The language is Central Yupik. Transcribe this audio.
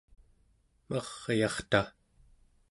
maryarta